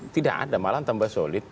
tidak ada malah tambah solid